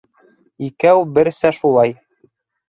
Икәү берсә шулай.